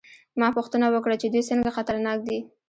ما پوښتنه وکړه چې دوی څنګه خطرناک دي